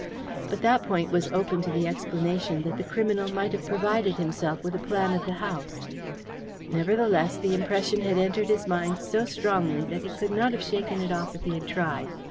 But that point was open to the explanation that the criminal might have provided himself with a plan of the house. Nevertheless, the impression had entered his mind so strongly that he could not have shaken it off if he had tried.